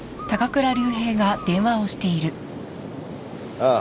ああ。